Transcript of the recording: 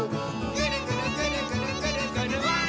「ぐるぐるぐるぐるぐるぐるわい！」